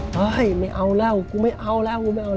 เฮ้ยไม่เอาแล้วกูไม่เอาแล้ว